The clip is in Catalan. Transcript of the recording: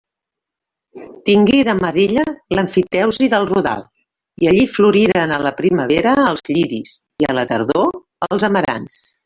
Tingué de mà d'ella l'emfiteusi del rodal i allí floriren a la primavera els lliris i a la tardor els amarants.